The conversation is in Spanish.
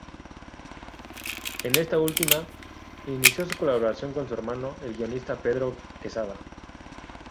En esta última, inició su colaboración con su hermano, el guionista Pedro Quesada.